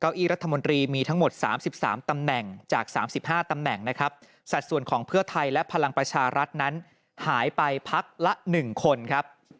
เก้าอี้รัฐมนตรีมีทั้งหมด๓๓ตำแหน่งจาก๓๕ตำแหน่งนะครับสัดส่วนของเพื่อไทยและพลังประชารัฐนั้นหายไปพักละ๑คนครับ